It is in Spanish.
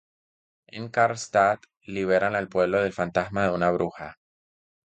En Karlstadt liberan al pueblo del fantasma de una bruja.